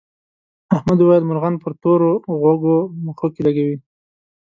احمد وویل مرغان پر تور غوږو مښوکې لکوي.